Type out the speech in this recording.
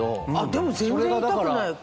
でも全然痛くない。